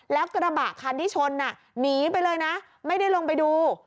แล้วกระบะคันที่ชนหนีไปเลยนะไม่ได้ลงไปดู